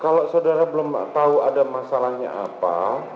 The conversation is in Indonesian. kalau saudara belum tahu ada masalahnya apa